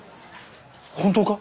本当か？